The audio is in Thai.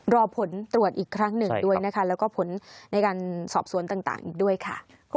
รอผลตรวจอีกครั้งหนึ่งด้วยนะคะแล้วก็ผลในการสอบสวนต่างอีกด้วยค่ะ